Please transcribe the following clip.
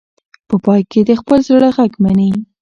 په پای کې د خپل زړه غږ مني.